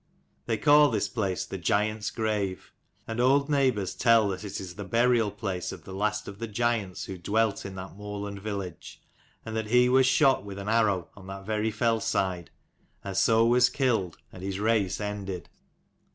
They call this place the Giant's Grave: and old neighbours tell that it is the burial place of the last of the giants who dwelfr in that moorland village, and that he was shot with an arrow on that very fell side, and so was killed, and his race ended.